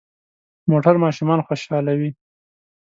موټر ماشومان خوشحالوي.